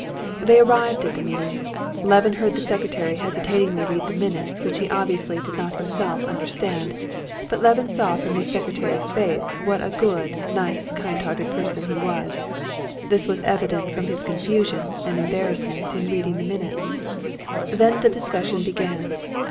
They arrived at the meeting. Levin heard the secretary hesitatingly read the minutes which he obviously did not himself understand; but Levin saw from this secretary's face what a good, nice, kind hearted person he was. This was evident from his confusion and embarrassment in reading the minutes. Then the discussion began.